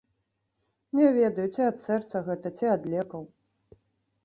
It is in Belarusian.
Не ведаю, ці ад сэрца гэта, ці ад лекаў.